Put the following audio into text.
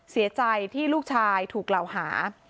เสียใจที่ลูกชายถูกกล่าวหา